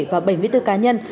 và bảy mươi bốn cá nhân